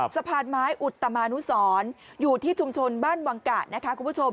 สะพานไม้อุตมานุสรอยู่ที่ชุมชนบ้านวังกะนะคะคุณผู้ชม